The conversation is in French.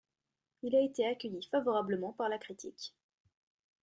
Il a été accueilli favorablement par la critique.